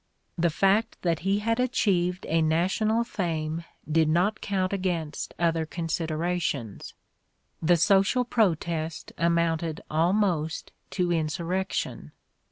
The fact that he had achieved a national fame did not count against other considerations. The social protest amounted almost to insurrection."